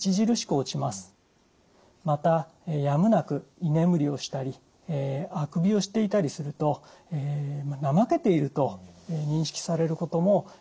またやむなく居眠りをしたりあくびをしていたりすると怠けていると認識されることも多いのではないでしょうか。